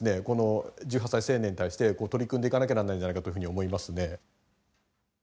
この１８歳成年に対して取り組んでいかなきゃなんないんじゃないかというふうに思いますね。